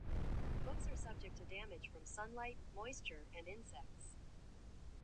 Books are subject to damage from sunlight, moisture, and insects.